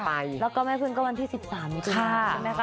แล้วก็แม่พึ่งก็วันที่๑๓มิถุนาใช่ไหมคะ